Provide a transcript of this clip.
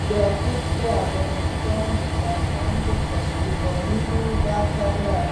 یاقوت د افغانستان د فرهنګي فستیوالونو برخه ده.